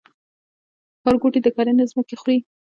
ښارګوټي د کرنې ځمکې خوري؟